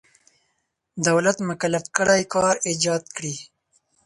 دولت مکلف کړی کار ایجاد کړي.